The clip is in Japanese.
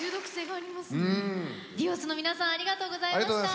Ｄｉｏｓの皆さんありがとうございました！